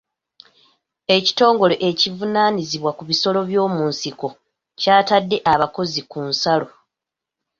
Ekitongole ekivunaanyizibwa ku bisolo by'omu nsiko kyatadde abakozi ku nsalo.